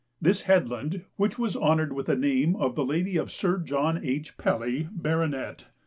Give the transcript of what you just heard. This headland, which was honoured with the name of the lady of Sir John H. Pelly, Bart.